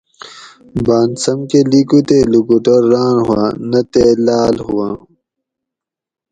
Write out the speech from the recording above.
باۤن سمکہ لِیکو تے لوکوٹور راۤن ہوآۤں نہ تے لاۤڷ ہواں